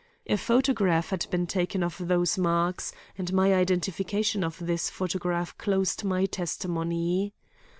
A photograph had been taken of those marks, and my identification of this photograph closed my testimony.